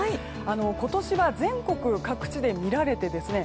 今年は全国各地で見られてですね